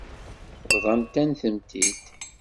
Bḍant-am-tent-id.